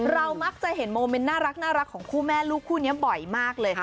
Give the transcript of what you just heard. มักจะเห็นโมเมนต์น่ารักของคู่แม่ลูกคู่นี้บ่อยมากเลยค่ะ